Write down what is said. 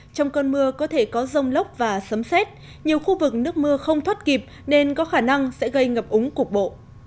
trong cơn mưa có thể có rông lốc và sấm xét nhiều khu vực nước mưa không thoát kịp nên có khả năng sẽ gây ngập úng cục bộ